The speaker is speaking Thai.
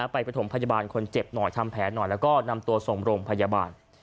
ประถมพยาบาลคนเจ็บหน่อยทำแผลหน่อยแล้วก็นำตัวส่งโรงพยาบาล